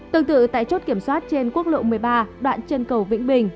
tương tự tại chốt kiểm soát trên quốc lộ một mươi ba đoạn chân cầu vĩnh bình